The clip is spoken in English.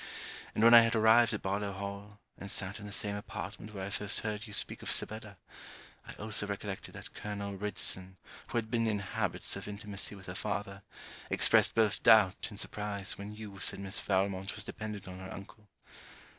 And when I had arrived at Barlowe Hall, and sat in the same apartment where I first heard you speak of Sibella, I also recollected that colonel Ridson, who had been in habits of intimacy with her father, expressed both doubt and surprise when you said Miss Valmont was dependent on her uncle.